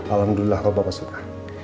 alhamdulillah pak bapak suka